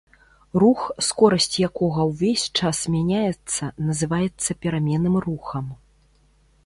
Рух, скорасць якога ўвесь час мяняецца, называецца пераменным рухам.